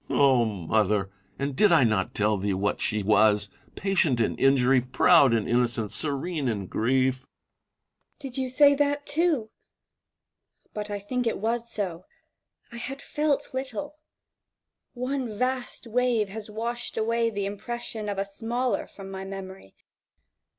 Tiberius. mother ! and did I not tell thee what she was? — patient in injury, proud in innocence, serene in gi'ief ! Vipsania. Did you say that too 1 But I think it was so : I had felt little. One vast wave has washed away the impression of smaller from my memory.